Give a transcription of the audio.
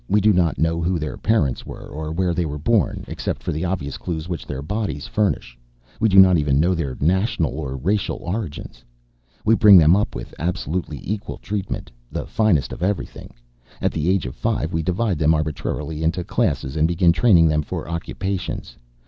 We do not know who their parents were, or where they were born. Except for the obvious clues which their bodies furnish, we do not even know their national or racial origins. "We bring them up with absolutely equal treatment the finest of everything. At the age of five we divide them arbitrarily into classes and begin training them for occupations.